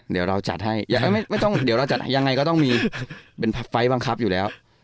เดี๋ยวเราจัดให้ยังไงก็ต้องมีเป็นไฟล์บังคับอยู่แล้ว